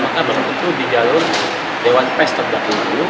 maka berhentu di jalur dewan pes terlebih dahulu